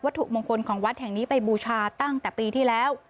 ถูกมงคลของวัดแห่งนี้ไปบูชาตั้งแต่ปีที่แล้ว